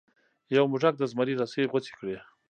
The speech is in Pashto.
یو موږک د زمري رسۍ غوڅې کړې.